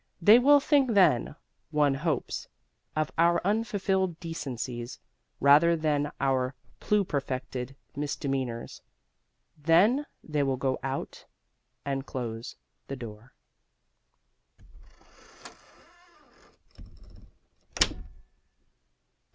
They will think then, one hopes, of our unfulfilled decencies rather than of our pluperfected misdemeanors. Then they will go out and close the door.